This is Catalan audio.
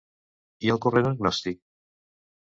I el corrent gnòstic?